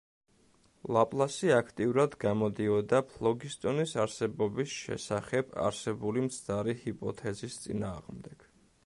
ლაპლასი აქტიურად გამოდიოდა ფლოგისტონის არსებობის შესახებ არსებული მცდარი ჰიპოთეზის წინააღმდეგ.